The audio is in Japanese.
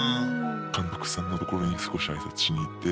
監督さんのところに少し挨拶しに行って。